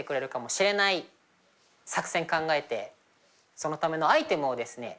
そのためのアイテムをですね